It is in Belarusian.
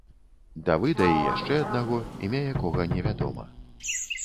Давыда і яшчэ аднаго, імя якога не вядома.